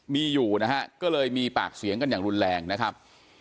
มีอยู่นะฮะก็เลยมีปากเสียงกันอย่างรุนแรงนะครับ